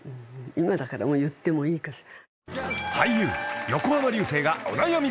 今だからもう言ってもいいかしら。